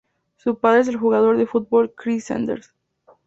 Su padre es el jugador de fútbol Chris Sanders.